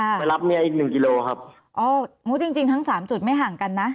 ไปรับเมียอีกหนึ่งกิโลครับโอ้จริงจริงทั้งสามจุดไม่ห่างกันนะ